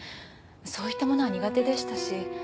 そういったものは苦手でしたし。